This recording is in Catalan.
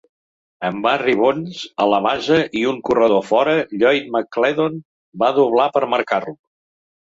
Amb Barry Bonds a la base i un corredor fora, Lloyd McClendon va doblar per marcar-lo.